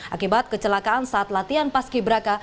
akibat kecelakaan saat latihan pas kibra